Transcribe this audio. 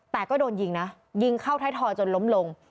แต่ก็โดนยิงนะยิงเข้าไทยทอยจนล้มลง